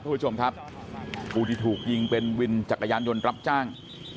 ผู้ชมครับผู้ที่ถูกยิงเป็นวินจักรยานยนต์รับจ้าง